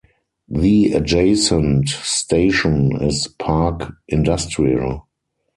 The adjacent station is Parque Industrial.